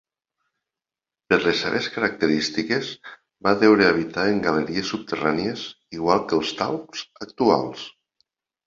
Per les seves característiques, va deure habitar en galeries subterrànies, igual que els talps actuals.